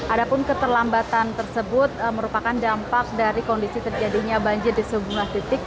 adapun keterlambatan tersebut merupakan dampak dari kondisi terjadinya banjir di sejumlah titik